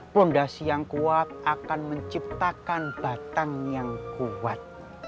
fondasi yang kuat akan menciptakan batang yang kuat